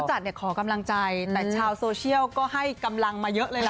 จัดเนี่ยขอกำลังใจแต่ชาวโซเชียลก็ให้กำลังมาเยอะเลยล่ะ